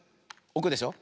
おくでしょ。